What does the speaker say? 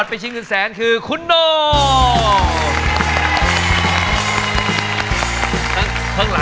ไม่ใช่แพ้นะฮะ